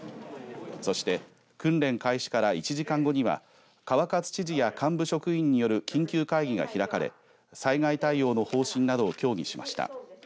そして訓練開始から１時間後には川勝知事や幹部職員による緊急会議が開かれ災害対応の方針などを協議しました。